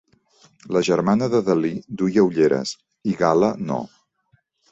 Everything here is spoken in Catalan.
La germana de Dalí duia ulleres i Gala no.